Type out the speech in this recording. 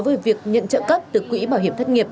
với việc nhận trợ cấp từ quỹ bảo hiểm thất nghiệp